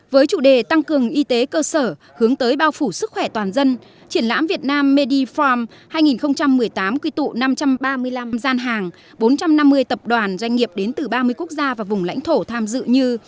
với chủ đề tăng cường y tế cơ sở hướng tới bao phủ sức khỏe toàn dân triển lãm việt nam medifarm hai nghìn một mươi tám quy tụ năm trăm ba mươi năm gian hàng bốn trăm năm mươi tập đoàn doanh nghiệp đến từ ba mươi quốc gia và vùng lãnh thổ tham dự như